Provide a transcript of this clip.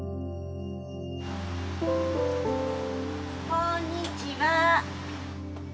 こんにちは。